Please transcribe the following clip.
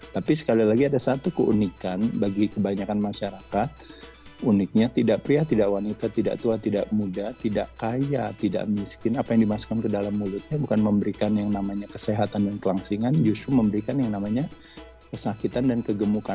tapi sekali lagi ada satu keunikan bagi kebanyakan masyarakat uniknya tidak pria tidak wanita tidak tua tidak muda tidak kaya tidak miskin apa yang dimasukkan ke dalam mulutnya bukan memberikan yang namanya kesehatan dan kelangsingan justru memberikan yang namanya kesakitan dan kegemukan